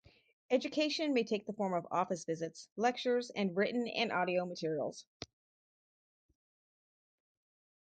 Education may take the form of office visits, lectures and written and audio materials.